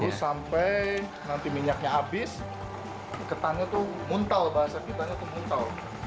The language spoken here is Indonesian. terus sampai nanti minyaknya habis ketannya tuh muntel bahasa kita itu muntel